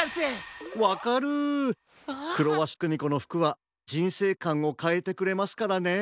わかるクロワシクミコのふくはじんせいかんをかえてくれますからね。